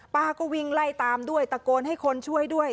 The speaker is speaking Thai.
ป้าก็วิ่งไล่ตามด้วยตะโกนให้คนช่วยด้วย